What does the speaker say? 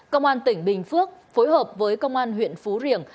công an tỉnh bình phước phối hợp với công an huyện phú riềng